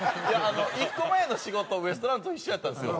１個前の仕事ウエストランドと一緒やったんですよ。